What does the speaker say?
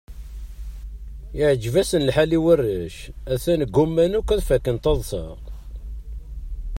Iɛǧeb-asen lḥal i warrac, atnan gguman akk ad fakken taḍsa.